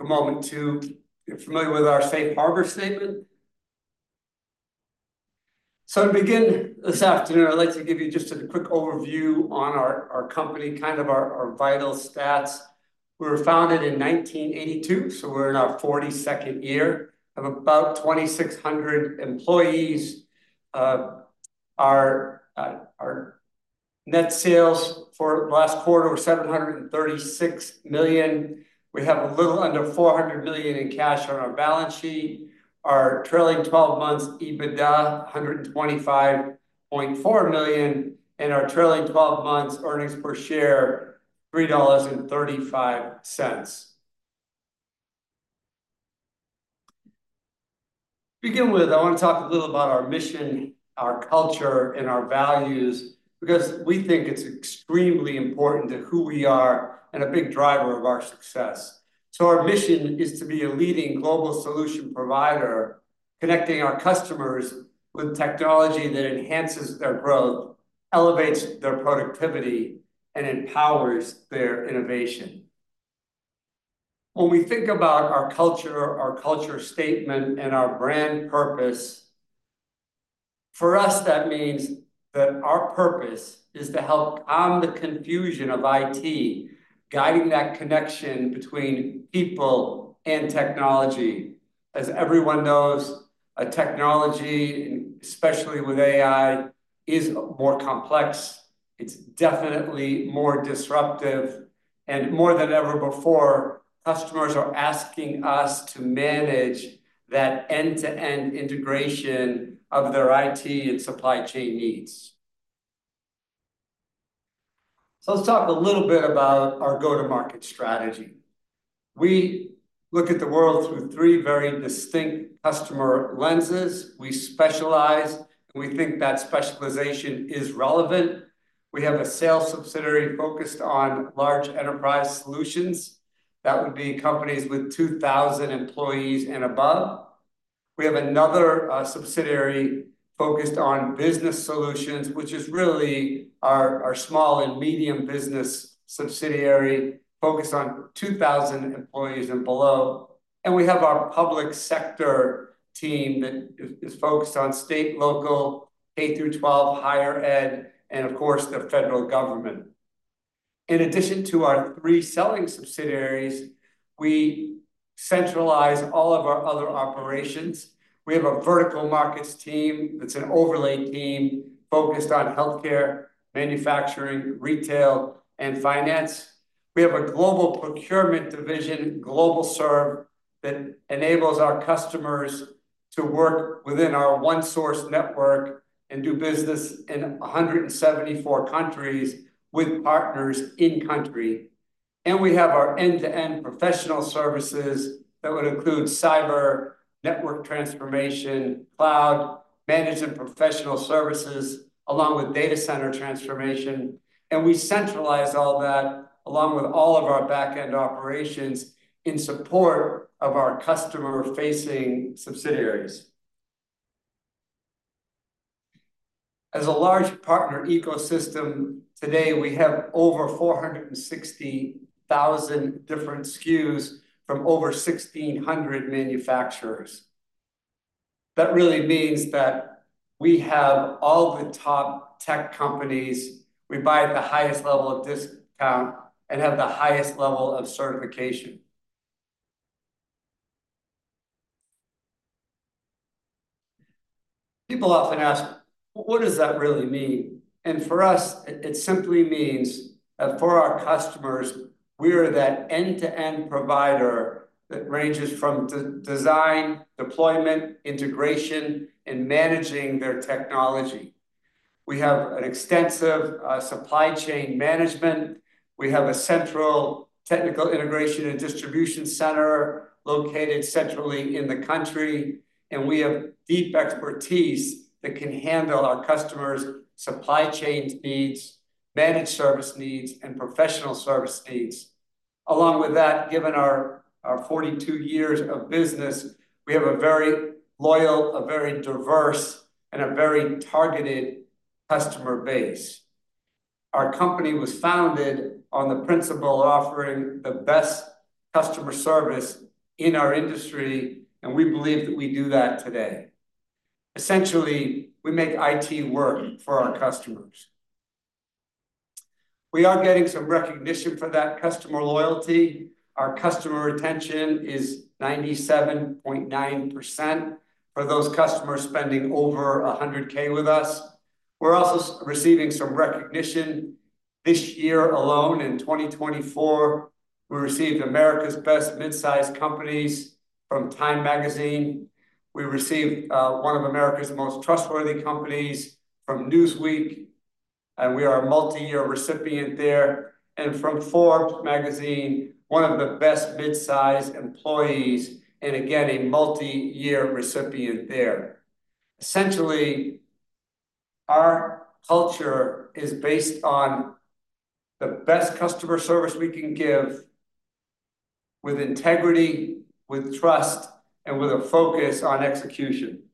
Take a moment to get familiar with our safe harbor statement. To begin this afternoon, I'd like to give you just a quick overview on our company, kind of our vital stats. We were founded in 1982, so we're in our 42nd year, of about 2,600 employees. Our net sales for last quarter were $736 million. We have a little under $400 billion in cash on our balance sheet. Our trailing twelve months EBITDA, $125.4 million, and our trailing twelve months earnings per share, $3.35. To begin with, I want to talk a little about our mission, our culture, and our values, because we think it's extremely important to who we are and a big driver of our success. So our mission is to be a leading global solution provider, connecting our customers with technology that enhances their growth, elevates their productivity, and empowers their innovation. When we think about our culture, our culture statement, and our brand purpose, for us, that means that our purpose is to help calm the confusion of IT, guiding that connection between people and technology. As everyone knows, technology, especially with AI, is more complex. It's definitely more disruptive, and more than ever before, customers are asking us to manage that end-to-end integration of their IT and supply chain needs. So let's talk a little bit about our go-to-market strategy. We look at the world through three very distinct customer lenses. We specialize, and we think that specialization is relevant. We have a sales subsidiary focused on large Enterprise Solutions. That would be companies with 2,000 employees and above. We have another subsidiary focused on Business Solutions, which is really our small and medium business subsidiary, focused on 2,000 employees and below, and we have our Public Sector team that is focused on state, local, K-12, higher ed, and of course, the federal government. In addition to our three selling subsidiaries, we centralize all of our other operations. We have a vertical markets team that's an overlay team focused on healthcare, manufacturing, retail, and finance. We have a global procurement division, GlobalServe, that enables our customers to work within our OneSource network and do business in 174 countries with partners in country, and we have our end-to-end professional services that would include cyber, network transformation, cloud, managed and professional services, along with data center transformation. We centralize all that, along with all of our back-end operations, in support of our customer-facing subsidiaries. As a large partner ecosystem, today, we have over 460,000 different SKUs from over 1600 manufacturers. That really means that we have all the top tech companies. We buy at the highest level of discount and have the highest level of certification. People often ask, "What does that really mean?" And for us, it simply means that for our customers, we are that end-to-end provider that ranges from design, deployment, integration, and managing their technology. We have an extensive supply chain management. We have a central technical integration and distribution center located centrally in the country, and we have deep expertise that can handle our customers' supply chains needs, managed service needs, and professional service needs. Along with that, given our 42 years of business, we have a very loyal, a very diverse, and a very targeted customer base. Our company was founded on the principle of offering the best customer service in our industry, and we believe that we do that today. Essentially, we make IT work for our customers. We are getting some recognition for that customer loyalty. Our customer retention is 97.9% for those customers spending over $100K with us. We're also receiving some recognition. This year alone, in 2024, we received America's Best Midsize Companies from Time Magazine. We received one of America's Most Trustworthy Companies from Newsweek, and we are a multi-year recipient there, and from Forbes Magazine, one of the Best Mid-sized employers, and again, a multi-year recipient there. Essentially, our culture is based on the best customer service we can give with integrity, with trust, and with a focus on execution.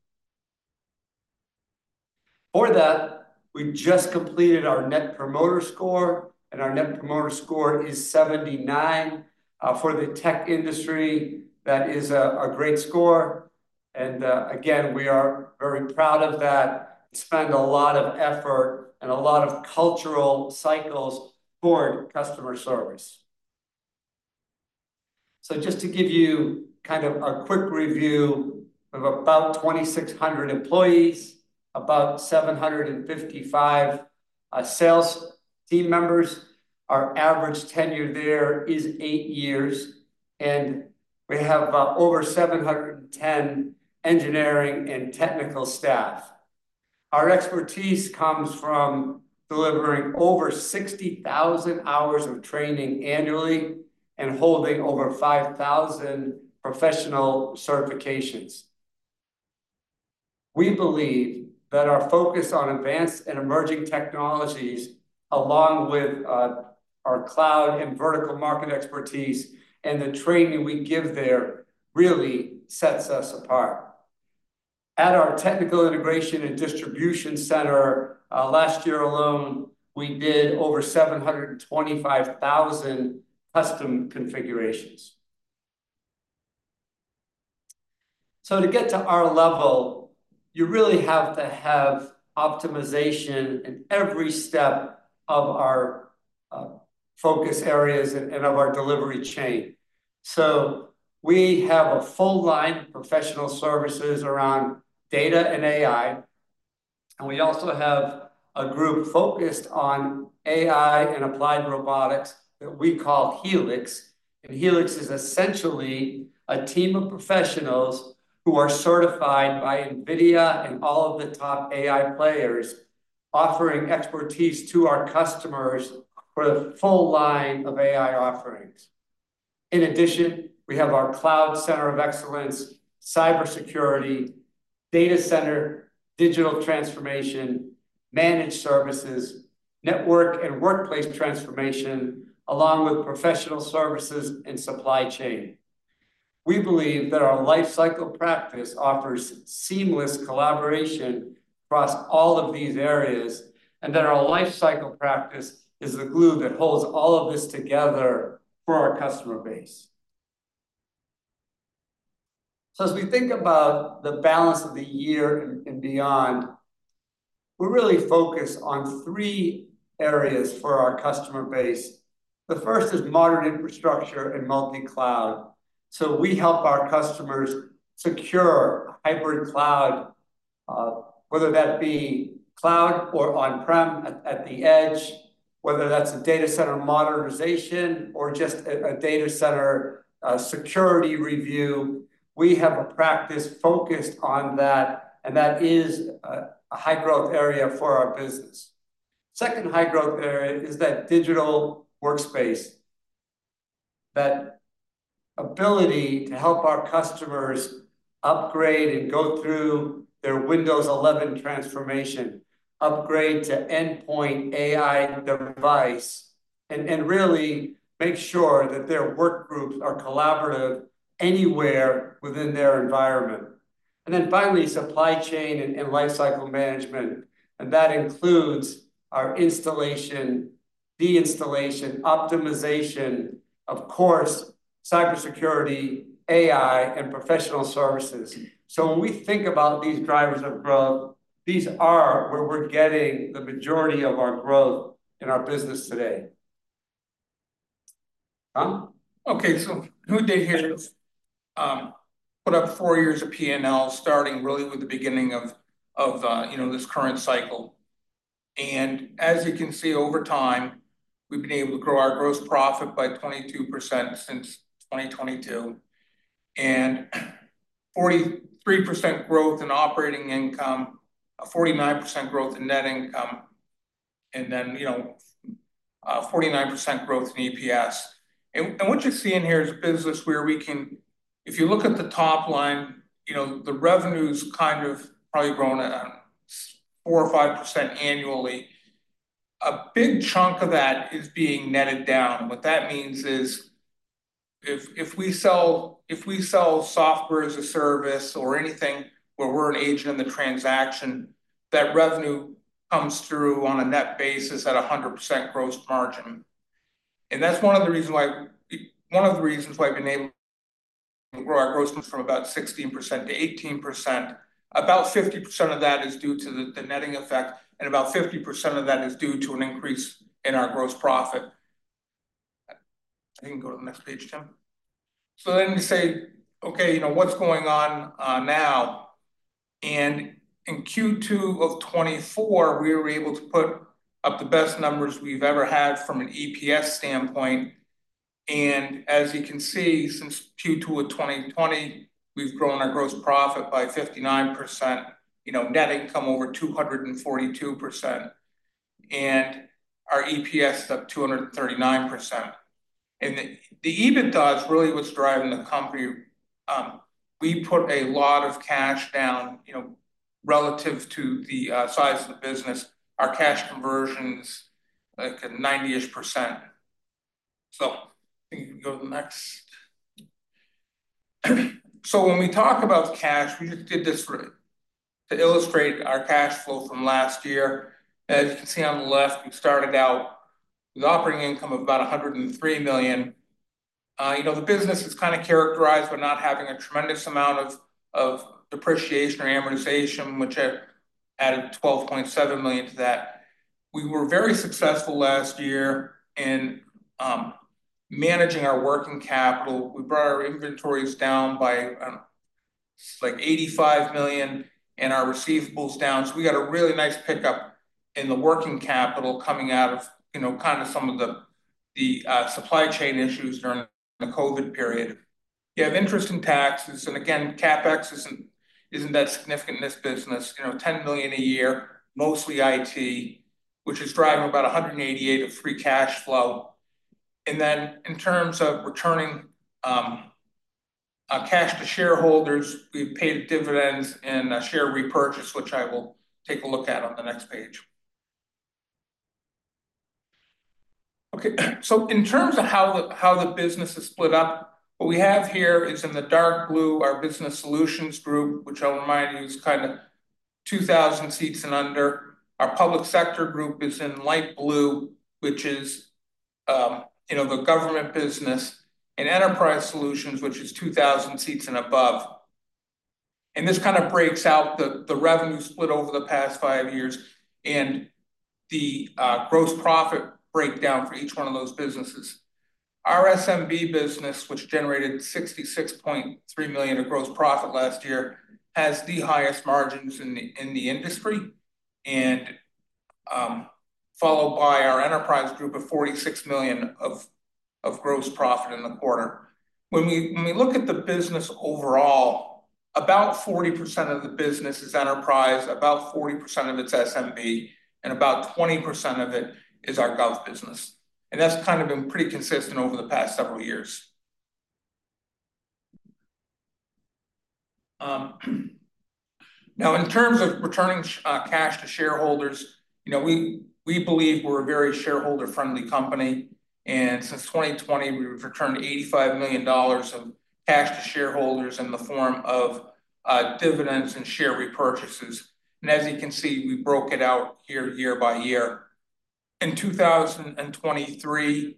For that, we just completed our Net Promoter Score, and our Net Promoter Score is 79. For the tech industry, that is a great score, and again, we are very proud of that. We spend a lot of effort and a lot of cultural cycles toward customer service. So just to give you kind of a quick review, we have about 2,600 employees, about 755 sales team members. Our average tenure there is eight years, and we have over 710 engineering and technical staff. Our expertise comes from delivering over 60,000 hours of training annually and holding over 5,000 professional certifications. We believe that our focus on advanced and emerging technologies, along with our cloud and vertical market expertise and the training we give there, really sets us apart. At our technical integration and distribution center, last year alone, we did over 725,000 custom configurations. So to get to our level, you really have to have optimization in every step of our focus areas and of our delivery chain. So we have a full line of professional services around data and AI, and we also have a group focused on AI and applied robotics that we call Helix. Helix is essentially a team of professionals who are certified by NVIDIA and all of the top AI players, offering expertise to our customers for the full line of AI offerings. In addition, we have our Cloud Center of Excellence, cybersecurity, data center, digital transformation, managed services, network and workplace transformation, along with professional services and supply chain. We believe that our lifecycle practice offers seamless collaboration across all of these areas, and that our lifecycle practice is the glue that holds all of this together for our customer base. So as we think about the balance of the year and beyond, we're really focused on three areas for our customer base. The first is modern infrastructure and multi-cloud. So we help our customers secure hybrid cloud, whether that be cloud or on-prem at the edge, whether that's a data center modernization or just a data center security review, we have a practice focused on that, and that is a high-growth area for our business. Second high-growth area is that digital workspace, that ability to help our customers upgrade and go through their Windows 11 transformation, upgrade to endpoint AI device, and really make sure that their work groups are collaborative anywhere within their environment, and then finally, supply chain and lifecycle management, and that includes our installation, deinstallation, optimization, of course, cybersecurity, AI, and professional services. So when we think about these drivers of growth, these are where we're getting the majority of our growth in our business today. Tom? Okay, so what we did here. Put up four years of P&L, starting really with the beginning of you know, this current cycle. And as you can see, over time, we've been able to grow our gross profit by 22% since 2022, and 43% growth in operating income, a 49% growth in net income, and then, you know, 49% growth in EPS. And what you're seeing here is a business where we can. If you look at the top line, you know, the revenue's kind of probably grown at 4% or 5% annually. A big chunk of that is being netted down. What that means is if we sell software as a service or anything where we're an agent in the transaction, that revenue comes through on a net basis at a 100% gross margin, and that's one of the reasons why we've been able to grow our gross from about 16% to 18%. About 50% of that is due to the netting effect, and about 50% of that is due to an increase in our gross profit. You can go to the next page, Tim, so then you say, "Okay, you know what's going on now?" In Q2 of 2024, we were able to put up the best numbers we've ever had from an EPS standpoint. As you can see, since Q2 of 2020, we've grown our gross profit by 59%, you know, net income over 242%, and our EPS is up 239%. The EBITDA's really what's driving the company. We put a lot of cash down, you know, relative to the size of the business. Our cash conversion's, like, a 90%-ish. When we talk about cash, we just did this for to illustrate our cash flow from last year. As you can see on the left, we started out with operating income of about $103 million. You know, the business is kind of characterized by not having a tremendous amount of depreciation or amortization, which I added $12.7 million to that. We were very successful last year in managing our working capital. We brought our inventories down by like $85 million and our receivables down, so we got a really nice pickup in the working capital coming out of you know some of the supply chain issues during the COVID period. You have interest in taxes, and again CapEx isn't that significant in this business, you know $10 million a year mostly IT which is driving about $188 million of free cash flow, and then in terms of returning cash to shareholders we've paid dividends and a share repurchase which I will take a look at on the next page. Okay. In terms of how the business is split up, what we have here is in the dark blue, our Business Solutions group, which I'll remind you, is kind of 2,000 seats and under. Our Public Sector group is in light blue, which is, you know, the government business, and Enterprise Solutions, which is two thousand seats and above. This kind of breaks out the revenue split over the past five years and the gross profit breakdown for each one of those businesses. Our SMB business, which generated $66.3 million of gross profit last year, has the highest margins in the industry, and followed by our enterprise group of $46 million of gross profit in the quarter. When we look at the business overall, about 40% of the business is enterprise, about 40% of it is SMB, and about 20% of it is our gov business, and that's kind of been pretty consistent over the past several years. Now, in terms of returning cash to shareholders, you know, we believe we're a very shareholder-friendly company, and since 2020, we've returned $85 million of cash to shareholders in the form of dividends and share repurchases. And as you can see, we broke it out here year by year. In 2023,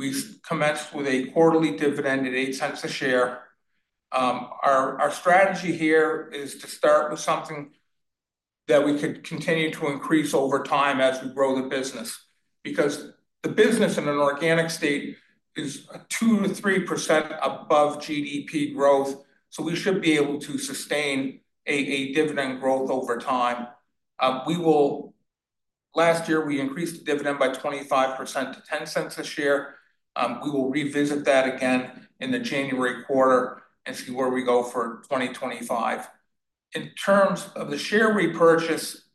we've commenced with a quarterly dividend at $0.08 a share. Our strategy here is to start with something that we could continue to increase over time as we grow the business, because the business in an organic state is 2%-3% above GDP growth, so we should be able to sustain a dividend growth over time. We will. Last year, we increased the dividend by 25% to $0.10 a share. We will revisit that again in the January quarter and see where we go for 2025. In terms of the share repurchase,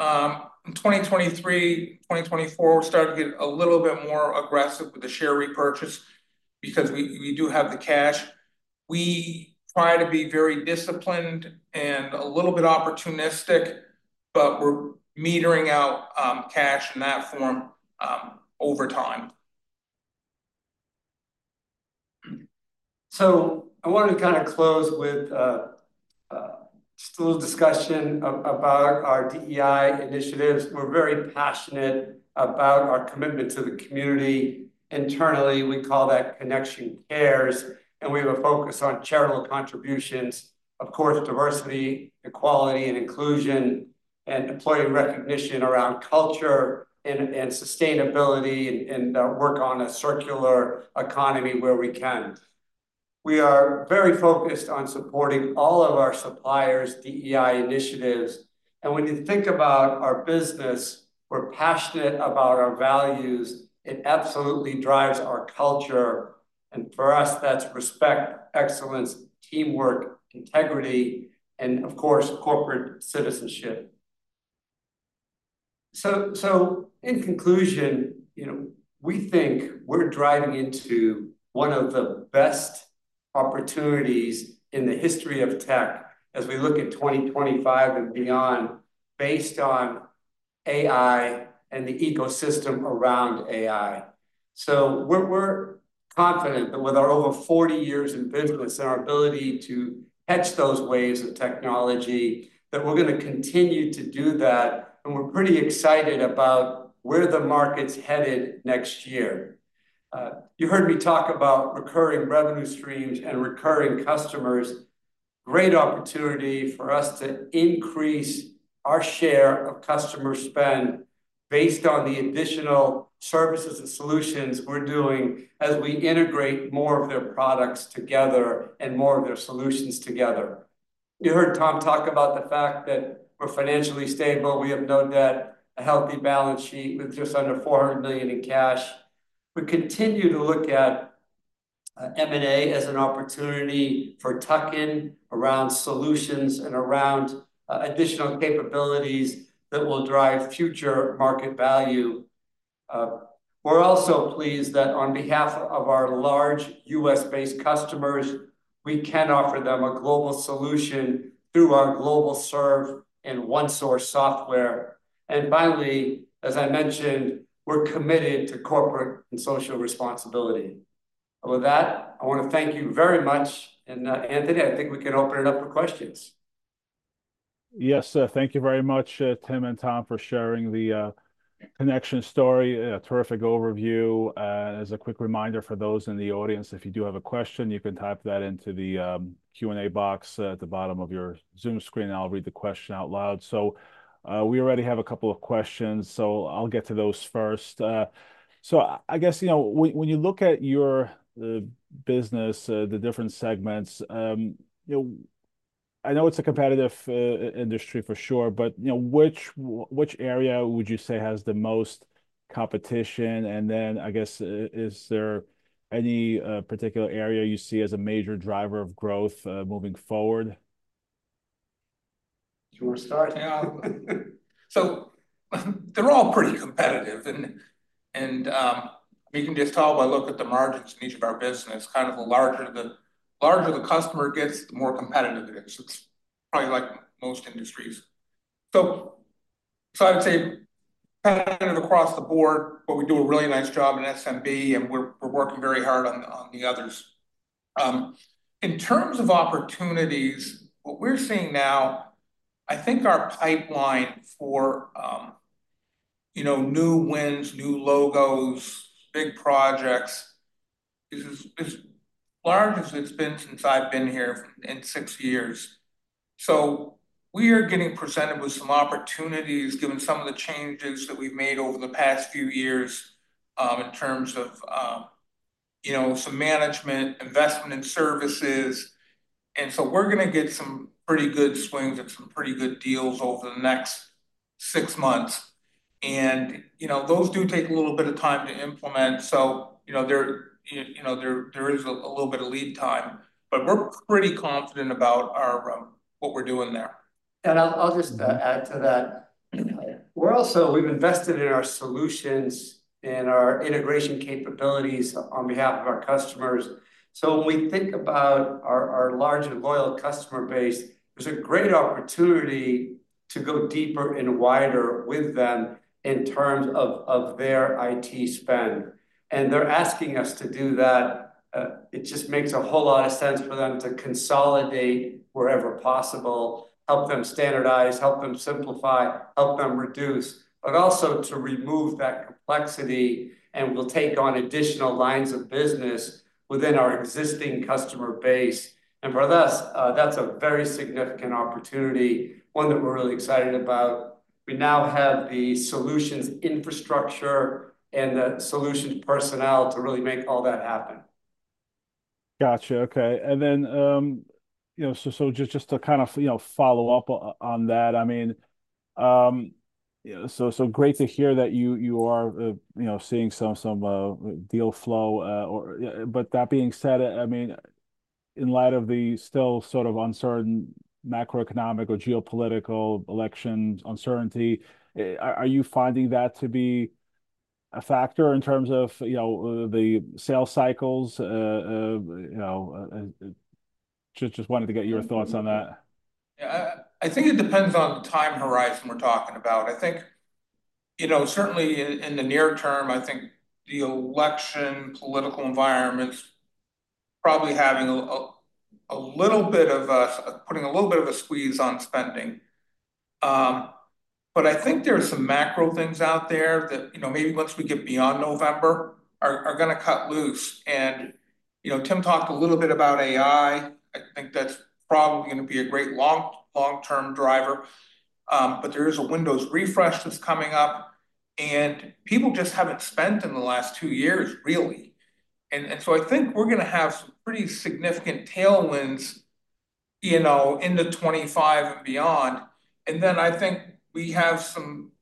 in 2023, 2024, we're starting to get a little bit more aggressive with the share repurchase because we do have the cash. We try to be very disciplined and a little bit opportunistic, but we're metering out cash in that form over time. So I wanted to kind of close with just a little discussion about our DEI initiatives. We're very passionate about our commitment to the community. Internally, we call that Connection Cares, and we have a focus on charitable contributions, of course, diversity, equality and inclusion, and employee recognition around culture and sustainability, and work on a circular economy where we can. We are very focused on supporting all of our suppliers' DEI initiatives, and when you think about our business, we're passionate about our values. It absolutely drives our culture, and for us, that's respect, excellence, teamwork, integrity, and of course, corporate citizenship. So in conclusion, you know, we think we're driving into one of the best opportunities in the history of tech as we look at 2025 and beyond, based on AI and the ecosystem around AI. So we're confident that with our over 40 years in business and our ability to catch those waves of technology, that we're going to continue to do that, and we're pretty excited about where the market's headed next year. You heard me talk about recurring revenue streams and recurring customers. Great opportunity for us to increase our share of customer spend based on the additional services and solutions we're doing as we integrate more of their products together and more of their solutions together. You heard Tom talk about the fact that we're financially stable. We have no debt, a healthy balance sheet with just under $400 million in cash. We continue to look at M&A as an opportunity for tuck-in around solutions and around additional capabilities that will drive future market value. We're also pleased that on behalf of our large U.S.-based customers, we can offer them a global solution through our GlobalServe and OneSource software. And finally, as I mentioned, we're committed to corporate and social responsibility. And with that, I want to thank you very much, and Anthony, I think we can open it up for questions. Yes, sir, thank you very much, Tim and Tom, for sharing the Connection story. A terrific overview. As a quick reminder for those in the audience, if you do have a question, you can type that into the Q&A box at the bottom of your Zoom screen, and I'll read the question out loud. So, we already have a couple of questions, so I'll get to those first. So I guess, you know, when you look at your business, the different segments, you know, I know it's a competitive industry for sure, but, you know, which area would you say has the most competition? And then, I guess, is there any particular area you see as a major driver of growth, moving forward? You want to start? Yeah. So they're all pretty competitive, and we can just tell by looking at the margins in each of our businesses, kind of the larger the customer gets, the more competitive it is. It's probably like most industries. So I'd say kind of across the board, but we do a really nice job in SMB, and we're working very hard on the others. In terms of opportunities, what we're seeing now, I think our pipeline for, you know, new wins, new logos, big projects, is as large as it's been since I've been here in six years. So we are getting presented with some opportunities, given some of the changes that we've made over the past few years, in terms of, you know, some management, investment in services. And so we're going to get some pretty good swings and some pretty good deals over the next six months. And you know those do take a little bit of time to implement, so you know there is a little bit of lead time. But we're pretty confident about our what we're doing there. And I'll just add to that. We've invested in our solutions and our integration capabilities on behalf of our customers. So when we think about our large and loyal customer base, there's a great opportunity to go deeper and wider with them in terms of their IT spend, and they're asking us to do that. It just makes a whole lot of sense for them to consolidate wherever possible, help them standardize, help them simplify, help them reduce, but also to remove that complexity. We'll take on additional lines of business within our existing customer base. For us, that's a very significant opportunity, one that we're really excited about. We now have the solutions, infrastructure, and the solutions personnel to really make all that happen. Gotcha. Okay, and then, you know, so just to kind of, you know, follow up on that, I mean, yeah, so great to hear that you are, you know, seeing some deal flow, or, but that being said, I mean, in light of the still sort of uncertain macroeconomic or geopolitical election uncertainty, are you finding that to be a factor in terms of, you know, the sales cycles? You know, just wanted to get your thoughts on that. Yeah, I think it depends on the time horizon we're talking about. I think, you know, certainly in the near term, I think the election political environment is probably putting a little bit of a squeeze on spending. But I think there are some macro things out there that, you know, maybe once we get beyond November, are going to cut loose. And, you know, Tim talked a little bit about AI. I think that's probably going to be a great long-term driver. But there is a Windows refresh that's coming up, and people just haven't spent in the last two years, really. And so I think we're going to have some pretty significant tailwinds, you know, into 2025 and beyond. Then I think we have some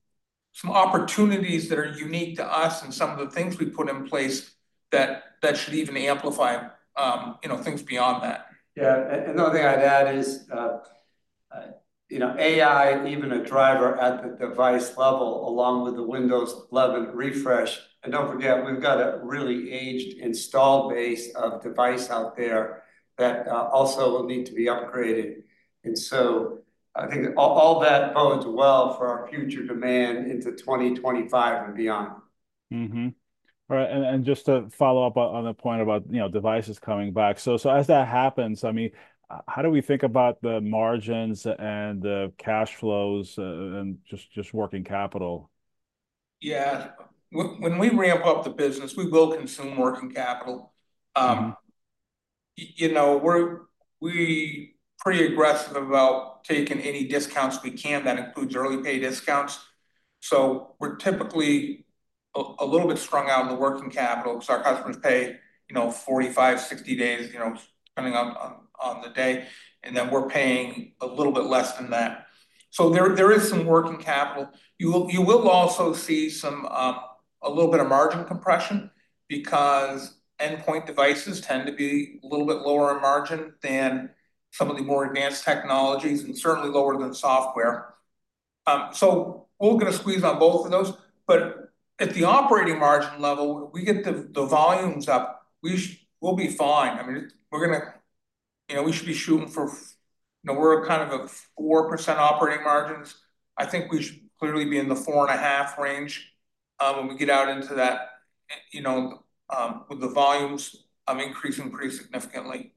opportunities that are unique to us and some of the things we've put in place that should even amplify, you know, things beyond that. Yeah, and another thing I'd add is, you know, AI even a driver at the device level, along with the Windows 11 refresh, and don't forget, we've got a really aged installed base of devices out there that also will need to be upgraded. And so I think all that bodes well for our future demand into 2025 and beyond. Right, and just to follow up on the point about, you know, devices coming back. So, as that happens, I mean, how do we think about the margins and the cash flows, and just working capital? Yeah. When we ramp up the business, we will consume working capital. You know, we're pretty aggressive about taking any discounts we can. That includes early pay discounts. So we're typically a little bit strung out on the working capital because our customers pay, you know, 45-60 days, you know, depending on the day, and then we're paying a little bit less than that. So there is some working capital. You will also see some a little bit of margin compression because endpoint devices tend to be a little bit lower in margin than some of the more advanced technologies and certainly lower than software. So we're going to squeeze on both of those, but at the operating margin level, we get the volumes up, we'll be fine. I mean, we're going to You know, we should be shooting for, you know, we're kind of a 4% operating margins. I think we should clearly be in the 4.5% range, when we get out into that, you know, with the volumes, increasing pretty significantly.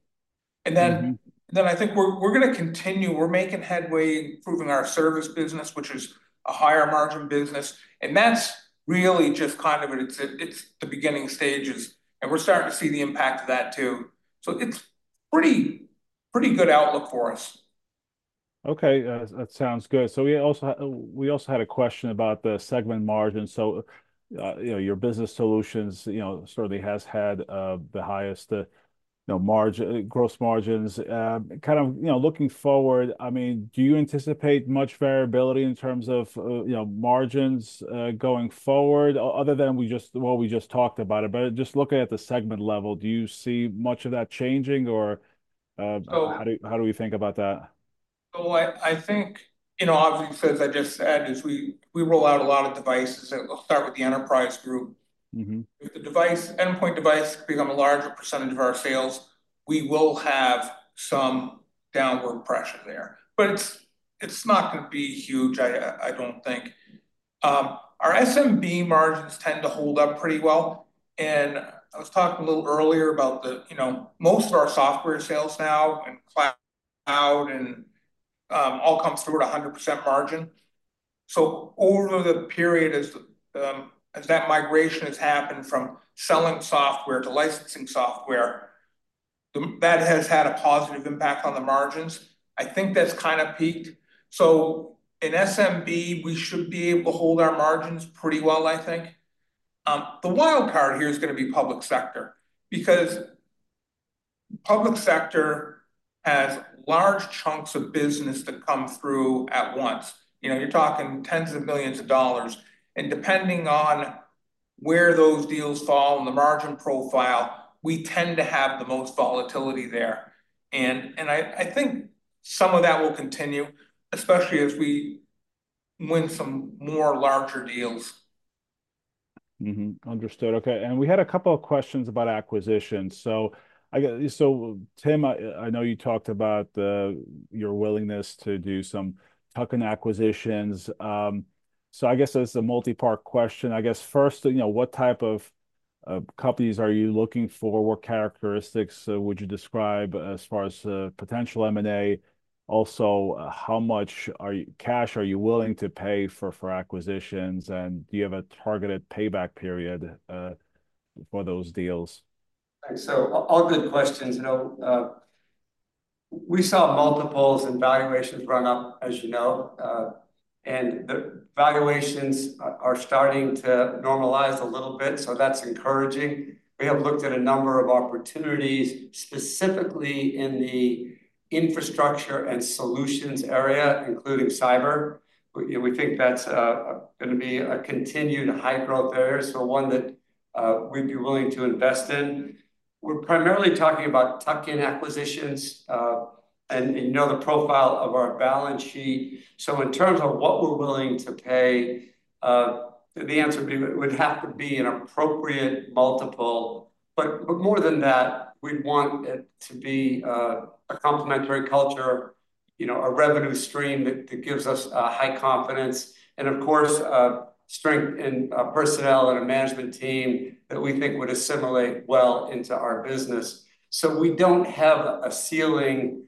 I think we're going to continue. We're making headway in improving our service business, which is a higher margin business, and that's really just kind of it. It's the beginning stages, and we're starting to see the impact of that too. It's a pretty good outlook for us. Okay, that sounds good. So we also had a question about the segment margins. So, you know, your Business Solutions, you know, certainly has had the highest, you know, margin, gross margins. Kind of, you know, looking forward, I mean, do you anticipate much variability in terms of, you know, margins going forward, other than we just well, we just talked about it, but just looking at the segment level, do you see much of that changing or how do we think about that? I think, you know, obviously, as I just said, is we roll out a lot of devices, and we'll start with the enterprise group. If the device, endpoint device, become a larger percentage of our sales, we will have some downward pressure there. But it's not going to be huge, I don't think. Our SMB margins tend to hold up pretty well, and I was talking a little earlier about the... You know, most of our software sales now and cloud and all comes through at 100% margin. So over the period, as that migration has happened from selling software to licensing software, that has had a positive impact on the margins. I think that's kind of peaked. So in SMB, we should be able to hold our margins pretty well, I think. The wild card here is going to be Public Sector, because Public Sector has large chunks of business that come through at once. You know, you're talking tens of millions of dollars, and depending on where those deals fall in the margin profile, we tend to have the most volatility there. And I think some of that will continue, especially as we win some more larger deals. Understood. Okay, and we had a couple of questions about acquisitions. So Tim, I know you talked about your willingness to do some tuck-in acquisitions. So I guess it's a multi-part question. I guess, first, you know, what type of companies are you looking for? What characteristics would you describe as far as potential M&A? Also, how much cash are you willing to pay for acquisitions, and do you have a targeted payback period for those deals? So, all good questions, you know, we saw multiples and valuations run up, as you know, and the valuations are starting to normalize a little bit, so that's encouraging. We have looked at a number of opportunities, specifically in the infrastructure and solutions area, including cyber. We think that's going to be a continued high-growth area, so one that we'd be willing to invest in. We're primarily talking about tuck-in acquisitions, and you know, the profile of our balance sheet. So in terms of what we're willing to pay, the answer would be, would have to be an appropriate multiple. But more than that, we'd want it to be a complementary culture, you know, a revenue stream that gives us high confidence, and of course, strength in personnel and a management team that we think would assimilate well into our business. So we don't have a ceiling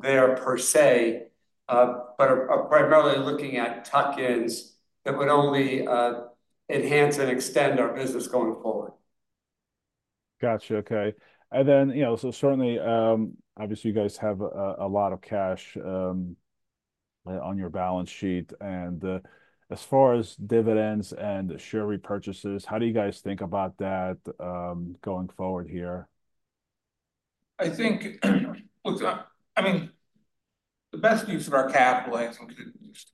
there, per se, but are primarily looking at tuck-ins that would only enhance and extend our business going forward. Gotcha. Okay. And then, you know, so certainly, obviously, you guys have a lot of cash on your balance sheet, and, as far as dividends and share repurchases, how do you guys think about that, going forward here? I think, look, I mean, the best use of our capital is to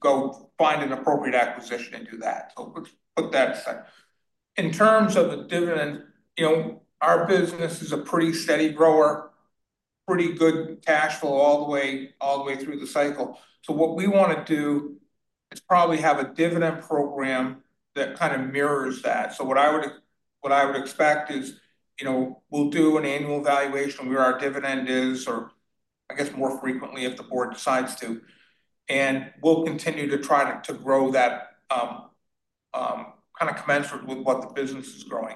go find an appropriate acquisition and do that. So let's put that aside. In terms of the dividend, you know, our business is a pretty steady grower, pretty good cash flow all the way, all the way through the cycle. So what we want to do is probably have a dividend program that kind of mirrors that. So what I would expect is, you know, we'll do an annual evaluation where our dividend is, or I guess, more frequently, if the board decides to, and we'll continue to try to grow that, kind of commensurate with what the business is growing.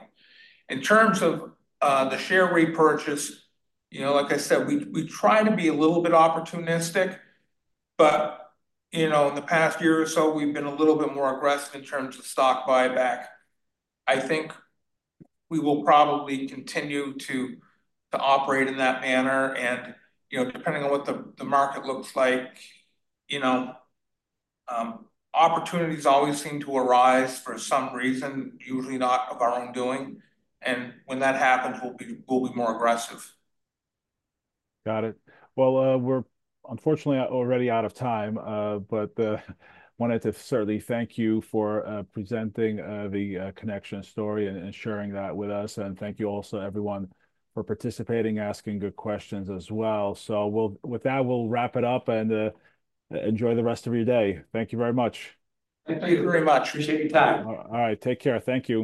In terms of the share repurchase, you know, like I said, we try to be a little bit opportunistic, but, you know, in the past year or so, we've been a little bit more aggressive in terms of stock buyback. I think we will probably continue to operate in that manner and, you know, depending on what the market looks like, you know, opportunities always seem to arise for some reason, usually not of our own doing, and when that happens, we'll be more aggressive. Got it. Well, we're unfortunately already out of time, but wanted to certainly thank you for presenting the Connection story and sharing that with us, and thank you also, everyone, for participating, asking good questions as well. So, with that, we'll wrap it up, and enjoy the rest of your day. Thank you very much. Thank you very much. Appreciate your time. All right, take care. Thank you.